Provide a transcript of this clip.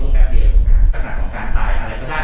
และแสดงของการตายอะไรก็ได้